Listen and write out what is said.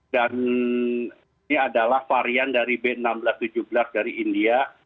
dan ini adalah varian dari b seribu enam ratus tujuh belas dari india